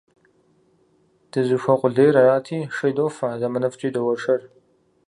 Дызыхуэкъулейр арати, шей дофэ, зэманыфӀкӀи доуэршэр.